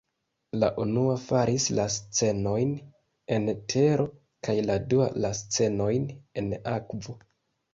La unua faris la scenojn en tero kaj la dua la scenojn en akvo.